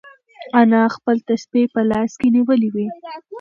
انا خپل تسبیح په لاس کې نیولې وه.